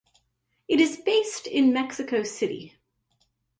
It is based in Mexico City.